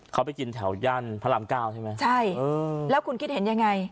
เขาไปกินแถวย่านพระรามเก้าใช่ไหมใช่เออแล้วคุณคิดเห็นยังไง